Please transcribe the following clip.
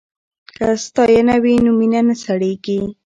که ستاینه وي نو مینه نه سړیږي.